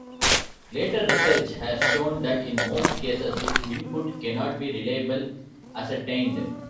Later research has shown that in most cases his input cannot be reliable ascertained.